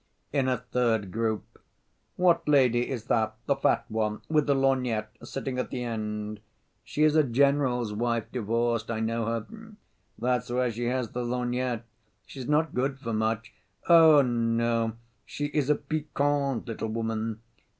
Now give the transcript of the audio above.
In a third group: "What lady is that, the fat one, with the lorgnette, sitting at the end?" "She is a general's wife, divorced, I know her." "That's why she has the lorgnette." "She is not good for much." "Oh, no, she is a piquante little woman."